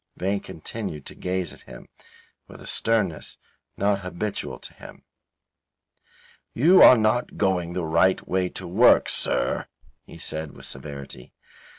Vane continued to gaze at him with a sternness not habitual to him. "You are not going the right way to work, Sir," he said, with severity.